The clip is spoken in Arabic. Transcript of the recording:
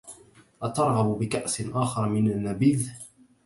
أترغبُ بكأسٍ آخرَ من النبيذ؟